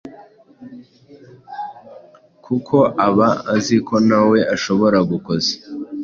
kuko aba azi ko na we ashobora gukosa.